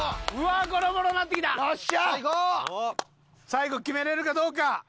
最後決めれるかどうか！